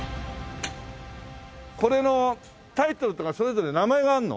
これのタイトルとかそれぞれ名前があるの？